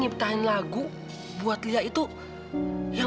gatis vain anak buddha bumi ini